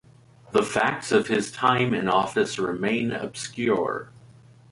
The facts of his time in office remain obscure.